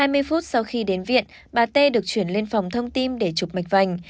hai mươi phút sau khi đến viện bà tê được chuyển lên phòng thông tim để chụp mạch vành